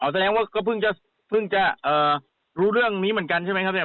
แสดงว่าก็เพิ่งจะรู้เรื่องนี้เหมือนกันใช่ไหมครับเนี่ย